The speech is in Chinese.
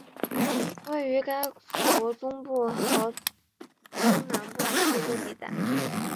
位于该国中部和东南部的过渡地带。